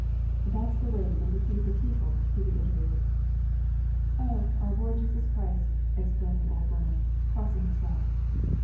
" That's the way they deceive the people," he reiterated. "Oh, our Lord Jesus Christ!" exclaimed the old woman, crossing herself.